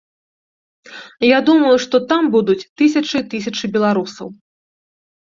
Я думаю, што там будуць тысячы і тысячы беларусаў.